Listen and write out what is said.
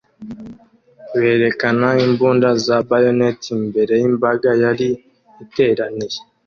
berekana imbunda za bayonet imbere yimbaga yari iteraniye